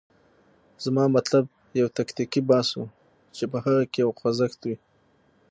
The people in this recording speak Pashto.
زما مطلب یو تکتیکي بحث و، چې په هغه کې یو خوځښت وي.